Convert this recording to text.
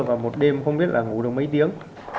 và một đêm không biết là ngủ được mấy tiếng